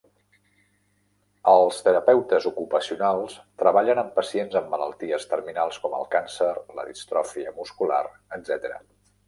Els terapeutes ocupacionals treballen amb pacients amb malalties terminals com el càncer, la distròfia muscular, etc.